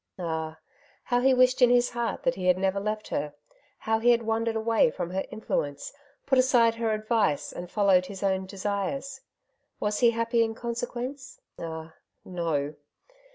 Ah! how he wished in his heart that he had never left her. How he had wandered away from her influence, put aside her advice, and followed his own desires! Was he happy in consequence ? Ah ! no.